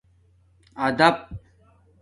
ادپ